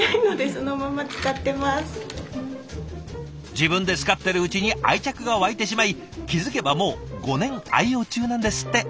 自分で使ってるうちに愛着が湧いてしまい気付けばもう５年愛用中なんですって。